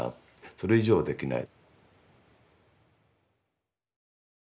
それ以上はできない。